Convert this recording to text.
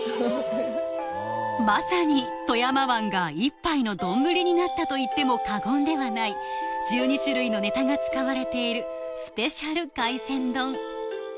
まさに富山湾が一杯のどんぶりになったと言っても過言ではない１２種類のネタが使われているスペシャル海鮮丼